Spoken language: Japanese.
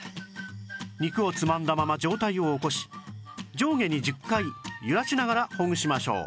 肉をつまんだまま上体を起こし上下に１０回揺らしながらほぐしましょう